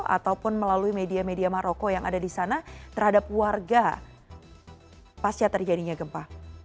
ataupun melalui media media maroko yang ada di sana terhadap warga pasca terjadinya gempa